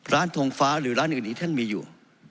ทงฟ้าหรือร้านอื่นที่ท่านมีอยู่